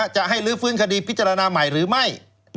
จะให้ลื้อฟื้นคดีพิจารณาใหม่หรือไม่